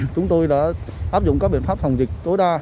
chúng tôi đã áp dụng các biện pháp phòng dịch tối đa